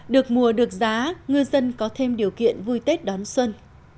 được mùa được giá ngư dân có thêm điều kiện vui tết đón xuân